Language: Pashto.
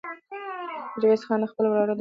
میرویس خان خپل وراره د هند دربار ته ولېږه.